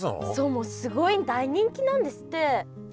もうすごい大人気なんですって。